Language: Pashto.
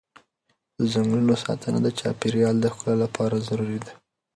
د ځنګلونو ساتنه د چاپېر یال د ښکلا لپاره ضروري ده.